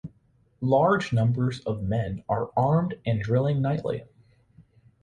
Large numbers of men are armed and drilling nightly.